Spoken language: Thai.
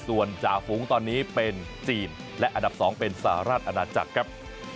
ส่วนจ่าฝูงตอนนี้เป็นจีนและอันดับ๒เป็นสหราชอาณาจักรครับ